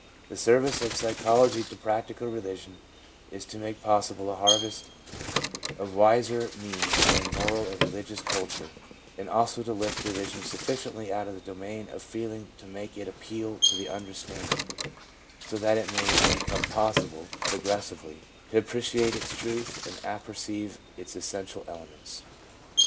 The service of psychology to practical religion is to make possible a harvest of wiser INTRODUCTION 17 means in moral and religious culture, and also to lift religion sufficiently out of the domain of feeling to make it appeal to the understanding, so that it may become possible, progressively, to appreciate its truth and apperceive its essential elements.